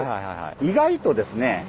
意外とですね